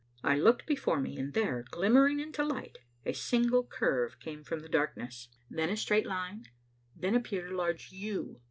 I looked before me, and there, glimmering into light, a single curve came from the darkness, then a straight line, then appeared a large U.